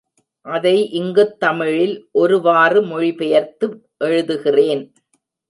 அதை இங்குத் தமிழில் ஒருவாறு மொழி பெயர்த்து எழுதுகிறேன்.